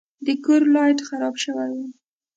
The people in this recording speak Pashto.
د کور لایټ خراب شوی و.